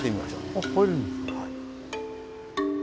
あっ入れるんですか。